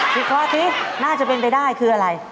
คือข้อที่น่าจะเป็นไปได้คืออะไร